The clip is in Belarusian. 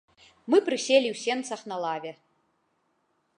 Мы прыселі ў сенцах на лаве.